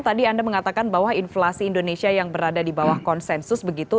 tadi anda mengatakan bahwa inflasi indonesia yang berada di bawah konsensus begitu